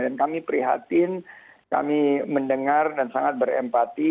dan kami prihatin kami mendengar dan sangat berempati